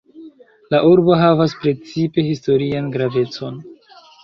La urbo havas precipe historian gravecon.